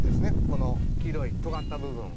ここの黄色いとがった部分。